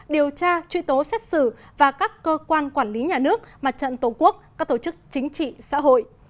điều tra truy tố xét xử và các cơ quan quản lý nhà nước mặt trận tổ quốc các tổ chức chính trị xã hội